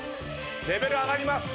レベル上がります。